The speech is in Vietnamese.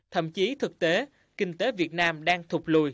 thậm chí thực tế kinh tế việt nam đang thục lùi